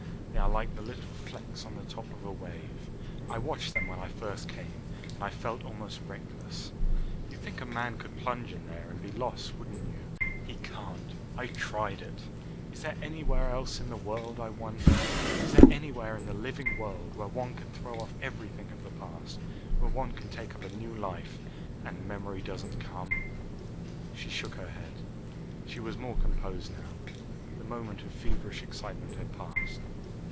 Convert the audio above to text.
They are like the little flecks on the top of a wave. I watched them when I first came and I felt almost reckless. You'd think a man could plunge in there and be lost, wouldn't you? He can't! I tried it. Is there anywhere else in the world, I wonder? Is there anywhere in the living world where one can throw off everything of the past, where one can take up a new life, and memory doesn't come?" She shook her head. She was more composed now. The moment of feverish excitement had passed.